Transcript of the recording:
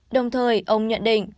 đồng thời ông nhận định